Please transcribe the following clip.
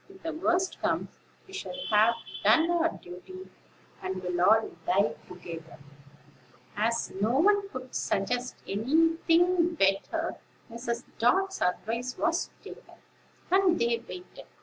If the worst comes, we shall have done our duty, and will all die together." As no one could suggest any thing better, Mrs. Dart's advice was taken, and they waited.